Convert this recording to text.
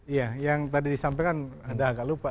iya yang tadi disampaikan ada agak lupa